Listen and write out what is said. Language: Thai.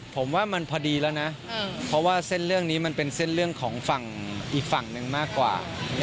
ผมว่ามันพอดีแล้วนะเพราะว่าเส้นเรื่องนี้มันเป็นเส้นเรื่องของฝั่งอีกฝั่งหนึ่งมากกว่า